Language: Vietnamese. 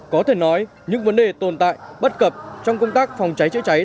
có thể nói những vấn đề tồn tại bất cập trong công tác phòng cháy chữa cháy